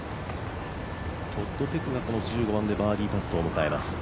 トッド・ペクが１５番でバーディーパットを迎えます。